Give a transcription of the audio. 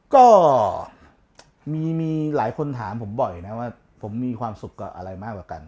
ก็มีคนถามผมบ่อยว่าผมมีความสุขอะไรมากกว่ากัน